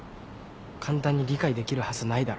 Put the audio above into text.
簡単に理解できるはずないだろ。